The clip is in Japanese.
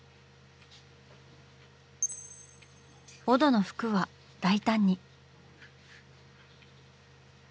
オドの服は大胆に。